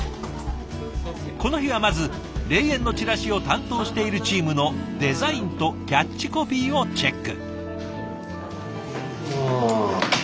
この日はまず霊園のチラシを担当しているチームのデザインとキャッチコピーをチェック。